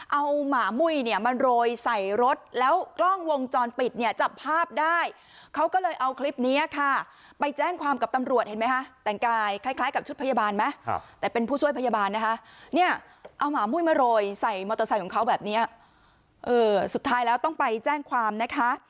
เอาหมามุ้ยเนี่ยมาโรยใส่รถแล้วกล้องวงจรปิดเนี่ยจับภาพได้เขาก็เลยเอาคลิปนี้ค่ะไปแจ้งความกับตำรวจเห็นไหมคะแต่งกายคล้ายกับชุดพยาบาลไหมแต่เป็นผู้ช่วยพยาบาลนะคะเนี่ยเอาหมามุ้ยมาโรยใส่มอเตอร์ไซค์ของเขาแบบเนี้ยเออสุดท้ายแล้วต้องไปแจ้งความนะคะ